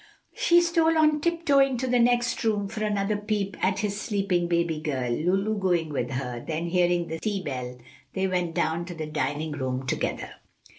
She stole on tiptoe into the next room for another peep at his sleeping baby girl, Lulu going with her; then hearing the tea bell, they went down to the dining room together.